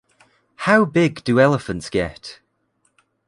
How big do elephants get?